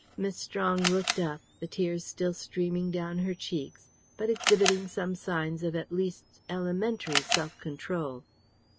Miss Strong looked up, the tears still streaming down her cheeks, but exhibiting some signs of at least elementary self control.